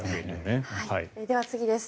では次です。